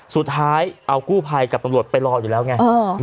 สุดท้ายเอากู้ภัยกับตำรวจไปรออยู่แล้วไง